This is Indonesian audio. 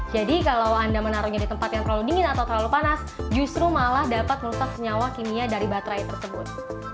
jadi kalau anda menaruhnya di tempat yang terlalu dingin atau terlalu panas justru malah dapat merusak senyawa kimia dari baterai tersebut